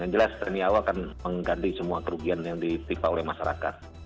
yang jelas tni au akan mengganti semua kerugian yang ditipa oleh masyarakat